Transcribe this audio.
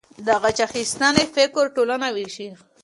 د غچ اخیستنې فکر ټولنه ویشي.